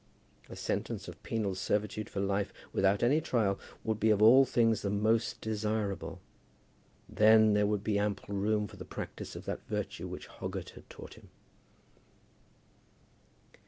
A sentence of penal servitude for life, without any trial, would be of all things the most desirable. Then there would be ample room for the practice of that virtue which Hoggett had taught him.